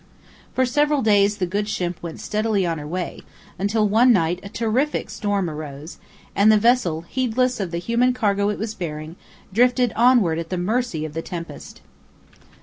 For several days the good ship went steadily on her way, until one night a terrific storm arose, and the vessel, heedless of the human cargo it was bearing, drifted onward at the mercy of the tempest.